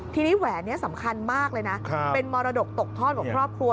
ทีนี้แหวนนี้สำคัญมากเลยนะเป็นมรดกตกทอดของครอบครัว